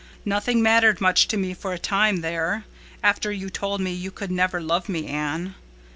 Nothing mattered much to me for a time there, after you told me you could never love me, Anne.